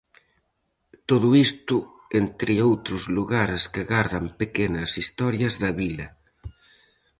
Todo isto, entre outros lugares que gardan pequenas historias da vila.